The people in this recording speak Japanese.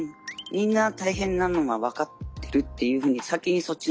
みんな大変なのは分かってるっていうふうに先にそっちの方が。